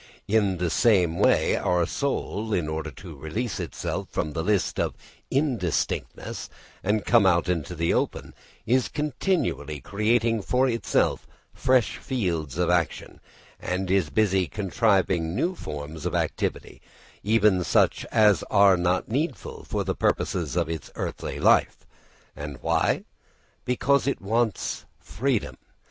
In the same way our soul, in order to release itself from the mist of indistinctness and come out into the open, is continually creating for itself fresh fields of action, and is busy contriving new forms of activity, even such as are not needful for the purposes of its earthly life. And why? Because it wants freedom.